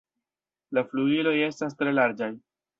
La flugiloj estas tre larĝaj.